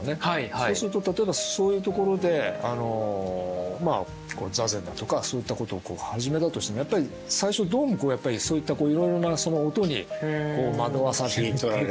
そうすると例えばそういうところで座禅だとかそういったことを始めたとしてもやっぱり最初どうもやっぱりそういったいろいろなその音に惑わされるっていうか。